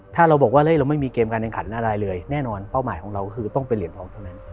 ถ้าเราบอกว่าเราไม่มีเกมการแข่งขันอะไรเลยแน่นอนเป้าหมายของเราคือต้องเป็นเหรียญทองเท่านั้น